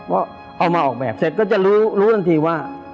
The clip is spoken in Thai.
ว่าเอามาออกแบบเสร็จก็จะรู้รู้ทันทีว่า